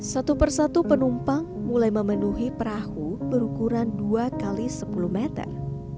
satu persatu penumpang mulai memenuhi perahu berukuran dua x sepuluh meter